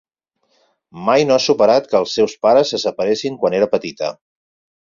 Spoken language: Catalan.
Mai no ha superat que els seus pares se separessin quan era petita.